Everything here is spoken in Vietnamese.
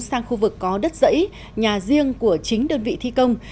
sang khu vực có đất dãy nhà riêng của chính đơn vị thi công